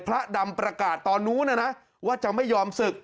พระดำประกาศตอนนู้นนะนะว่าจะไม่ยอมศึก